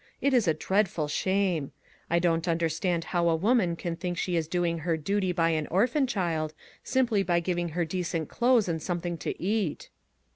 It is a dreadful shame! I don't understand how a woman can think she is doing her duty by an orphan child simply by giving her decent clothes and something to eat."